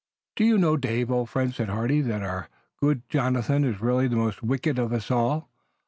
"Do you know, Dave, old friend," said Hardy, "that our good Jonathan is really the most wicked of us all?